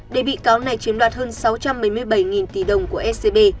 để bị cáo này chiếm đoạt hơn sáu trăm một mươi bảy tỷ đồng của scb